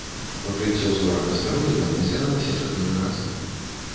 Пакрыццё зорак астэроідам назіралася чатыры разы.